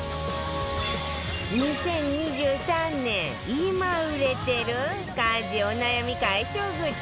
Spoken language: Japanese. ２０２３年今売れてる家事お悩み解消グッズ